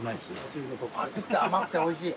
熱くて甘くておいしい。